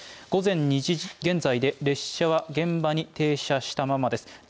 午前２時現在で、列車は現場に停車したままです。